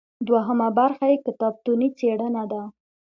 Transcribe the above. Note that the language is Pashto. دوهمه برخه یې کتابتوني څیړنه ده.